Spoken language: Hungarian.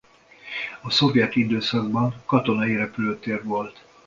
A szovjet időszakban katonai repülőtér volt.